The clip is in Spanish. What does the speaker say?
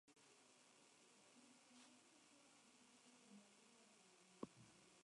El "Franconia" fue dañado por las bombas en el camino y regresó a Plymouth.